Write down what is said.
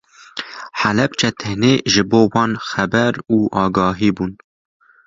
Helepçe tenê ji bo wan xeber û agahî bûn.